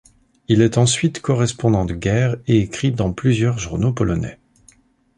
Il est ensuite correspondant de guerre et écrit dans plusieurs journaux polonais.